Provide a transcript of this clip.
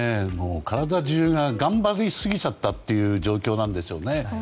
体中が頑張りすぎちゃった状況なんでしょうね。